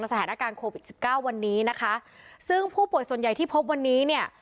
สถานการณ์โควิดสิบเก้าวันนี้นะคะซึ่งผู้ป่วยส่วนใหญ่ที่พบวันนี้เนี่ย